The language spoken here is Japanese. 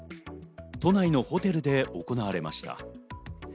都内のホテルで行われました。